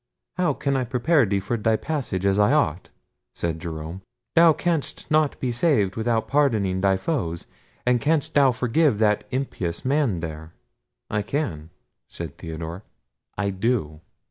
"How can I prepare thee for thy passage as I ought?" said Jerome. "Thou canst not be saved without pardoning thy foes—and canst thou forgive that impious man there?" "I can," said Theodore; "I do."